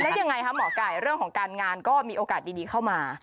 แล้วยังไงคะหมอไก่เรื่องของการงานก็มีโอกาสดีเข้ามา